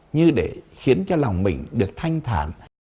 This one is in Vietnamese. như để khiến cho lòng mình được thanh thản